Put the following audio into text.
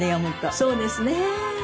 そうですね。